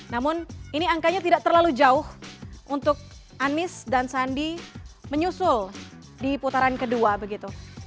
namun ini angkanya tidak terlalu jauh untuk anies dan sandi menyusul di putaran kedua begitu